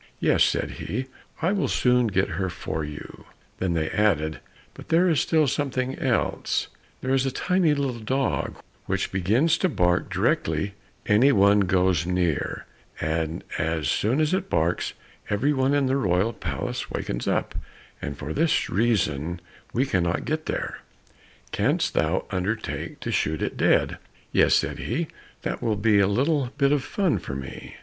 "Yes," said he, "I will soon get her for you." Then they added, "But there is still something else, there is a tiny little dog, which begins to bark directly any one goes near, and as soon as it barks every one in the royal palace wakens up, and for this reason we cannot get there; canst thou undertake to shoot it dead?" "Yes," said he, "that will be a little bit of fun for me."